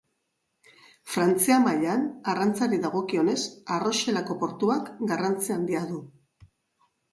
Frantzia mailan arrantzari dagokionez Arroxelako portuak garrantzi handia du.